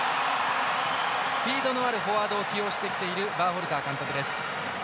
スピードのあるフォワードを起用してきているバーホルター監督です。